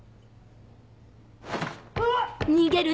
あっ！